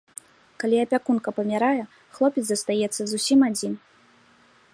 Калі апякунка памірае, хлопец застаецца зусім адзін.